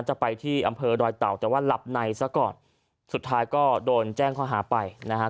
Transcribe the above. จะไปที่อำเภอดอยเต่าแต่ว่าหลับในซะก่อนสุดท้ายก็โดนแจ้งข้อหาไปนะฮะ